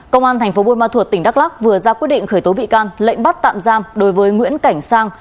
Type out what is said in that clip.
công an thành phố buôn ma thuột tỉnh đắk lắc vừa ra quyết định khởi tố bị can lệnh bắt tạm giam đối với nguyễn cảnh sang